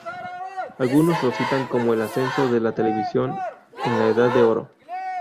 Algunos lo citan como el ascenso de la televisión en la edad de oro.